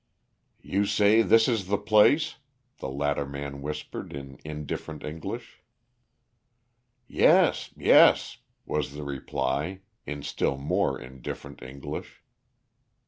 "You say this is the place?" the latter man whispered in indifferent English. "Yes, yes," was the reply, in still more indifferent English.